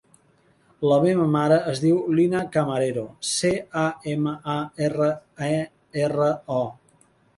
La meva mare es diu Lina Camarero: ce, a, ema, a, erra, e, erra, o.